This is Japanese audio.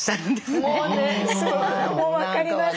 もうね分かります。